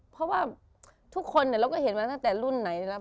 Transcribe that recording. เพราะว่าทุกคนเราก็เห็นมาตั้งแต่รุ่นไหนแล้ว